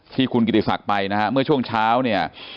ที่คุณกิติศักดิ์ไปนะฮะเมื่อช่วงเช้าเนี่ย